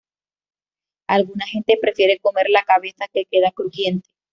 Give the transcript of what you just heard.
Alguna gente prefiere comer la cabeza, que queda crujiente.